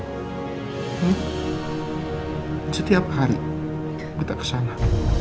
dan setiap hari kita kesana